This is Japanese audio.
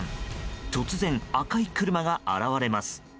突然赤い車が現れます。